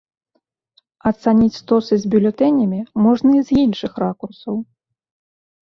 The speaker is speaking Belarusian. Ацаніць стосы з бюлетэнямі можна і з іншых ракурсаў.